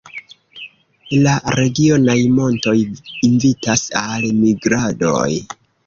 La regionaj montoj invitas al migradoj.